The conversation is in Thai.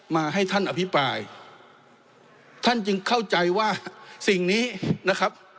มาให้ท่านอภิปรายท่านจึงเข้าใจว่าสิ่งนี้นะครับ